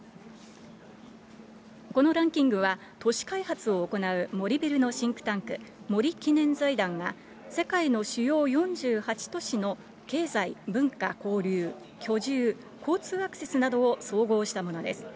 このランキングは、都市開発を行う森ビルのシンクタンク、森記念財団が、世界の主要４８都市の経済、文化・交流、居住、交通アクセスなどを総合したものです。